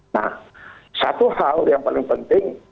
nah satu hal yang paling penting